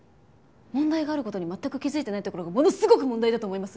問題がある事に全く気づいてないところがものすごく問題だと思います。